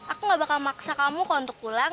aku gak bakal maksa kamu kok untuk pulang